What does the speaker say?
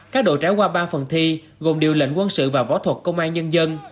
các đội trải qua ba phần thi gồm điều lệnh quân sự và võ thuật công an nhân dân